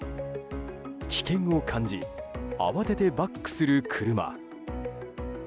危険を感じ慌ててバックする車。